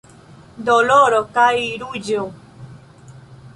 Doloro kaj ruĝo.